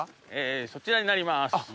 そちらになります。